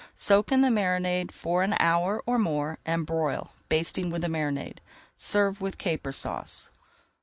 Soak in the marinade for an hour or more and broil, basting with the marinade. Serve with Caper Sauce.